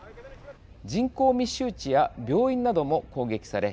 人口密集地や病院なども攻撃され